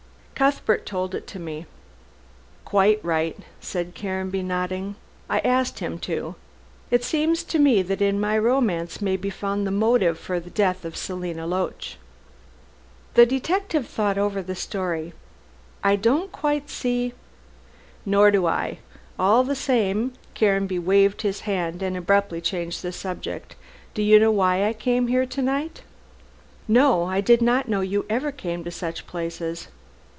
"Cuthbert told it to me." "Quite right," said Caranby, nodding, "I asked him to. It seems to me that in my romance may be found the motive for the death of Selina Loach." The detective thought over the story. "I don't quite see " "Nor do I. All the same " Caranby waved his hand and abruptly changed the subject. "Do you know why I came here to night?" "No. I did not know you ever came to such places."